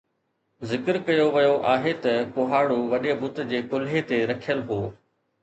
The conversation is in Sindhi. ذڪر ڪيو ويو آهي ته ڪهاڙو وڏي بت جي ڪلهي تي رکيل هو